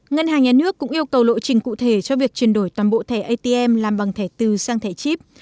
ngân hàng nhà nước cũng yêu cầu lộ trình cụ thể cho việc chuyển đổi toàn bộ thẻ atm làm bằng thẻ từ sang thẻ chip